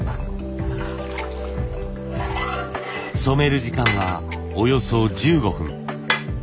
染める時間はおよそ１５分。